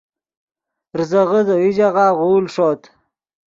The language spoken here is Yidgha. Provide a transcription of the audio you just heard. ریزغے دے یو ژاغہ غول ݰوت